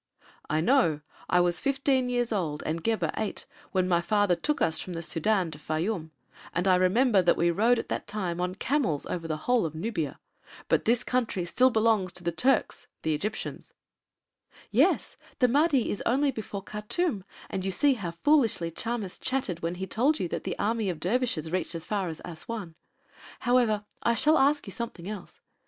"I know. I was fifteen years old and Gebhr eight, when my father took us from the Sudân to Fayûm, and I remember that we rode at that time on camels over the whole of Nubia. But this country belongs still to the Turks (Egyptians)." "Yes. The Mahdi is only before Khartûm and you see how foolishly Chamis chattered when he told you that the army of dervishes reached as far as Assuan. However, I shall ask you something else.